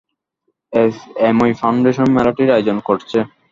SME foundation মেলাটির আয়োজন করছে।